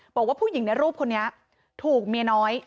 บอกว่าผู้หญิงในรูปคนนี้ถูกเมียน้อย